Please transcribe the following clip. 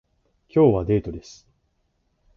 今日はデートです